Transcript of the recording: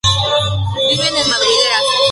Viven en madrigueras.